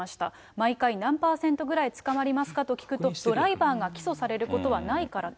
毎回何％ぐらい捕まりますかと聞きますと、ドライバーが起訴されることはないからと。